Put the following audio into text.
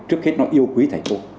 trước hết nó yêu quý thầy cô